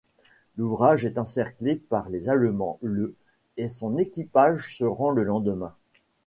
L'ouvrage est encerclé par les Allemands le et son équipage se rend le lendemain.